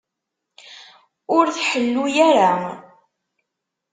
Ur tḥellu ara.